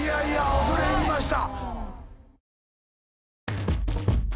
恐れ入りました。